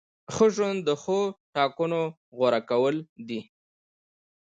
ښه ژوند د ښو ټاکنو غوره کول دي.